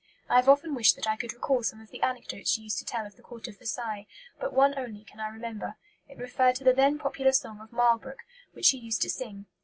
I have often wished that I could recall some of the anecdotes she used to tell of the Court of Versailles, but one only can I remember; it referred to the then popular song of 'Marlbrook,' which she used to sing.